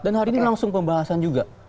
dan hari ini langsung pembahasan juga